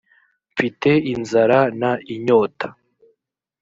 mfite inzara n inyota